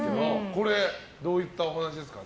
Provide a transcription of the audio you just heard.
これ、どういったお話ですか？